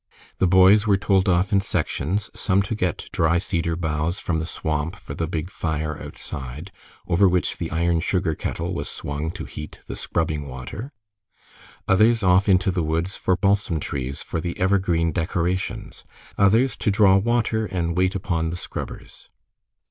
The boys were told off in sections, some to get dry cedar boughs from the swamp for the big fire outside, over which the iron sugar kettle was swung to heat the scrubbing water; others off into the woods for balsam trees for the evergreen decorations; others to draw water and wait upon the scrubbers.